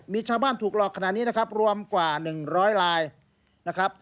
มีชาวบ้านถูกหลอกขนาดนี้นะครับรวมกว่า๑๐๐ลายนะครับ